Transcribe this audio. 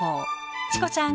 チコちゃん